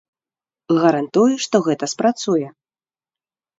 Гарантую, што гэта спрацуе.